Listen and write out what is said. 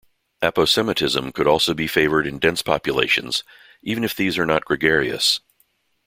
Aposematism could also be favoured in dense populations even if these are not gregarious.